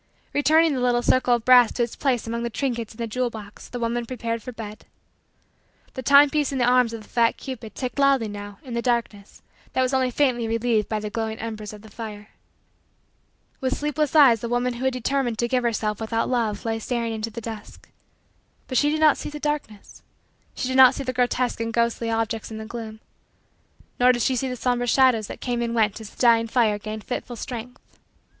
Returning the little circle of brass to its place among the trinkets in the jewel box, the woman prepared for bed. The timepiece in the arms of the fat cupid ticked loudly now in the darkness that was only faintly relieved by the glowing embers of the fire. With sleepless eyes the woman who had determined to give herself without love lay staring into the dusk. But she did not see the darkness. She did not see the grotesque and ghostly objects in the gloom. Nor did she see the somber shadows that came and went as the dying fire gained fitful strength.